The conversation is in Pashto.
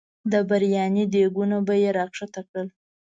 د برياني دیګونه به یې راښکته کړل.